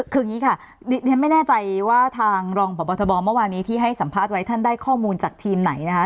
คืออย่างนี้ค่ะเรียนไม่แน่ใจว่าทางรองพบทบเมื่อวานี้ที่ให้สัมภาษณ์ไว้ท่านได้ข้อมูลจากทีมไหนนะคะ